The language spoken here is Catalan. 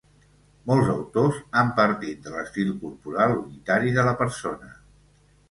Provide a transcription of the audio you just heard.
Molts autors han partit de l'estil corporal unitari de la persona.